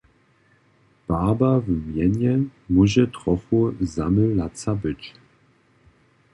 Barba w mjenje móže trochu zamylaca być.